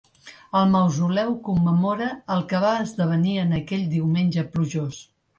El mausoleu commemora que el que va esdevenir en aquell diumenge plujós.